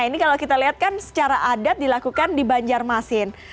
ini kalau kita lihat kan secara adat dilakukan di banjarmasin